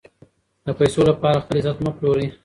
د پیسو لپاره خپل عزت مه پلورئ.